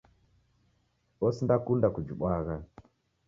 Osindakunda kujibwagha